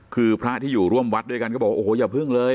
คือพระที่อยู่ร่วมวัดด้วยกันก็บอกโอ้โหอย่าพึ่งเลย